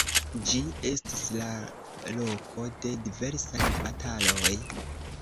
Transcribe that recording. Ĝi estis la loko de diversaj bataloj.